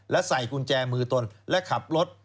และใส่กุญแจมือตนและขับรถ